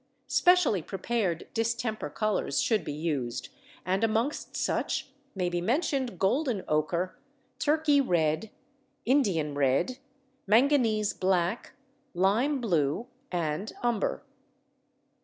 Specially prepared distemper colours should be used, and amongst such may be mentioned golden ochre, Turkey red, Indian red, manganese black, lime blue, and umber.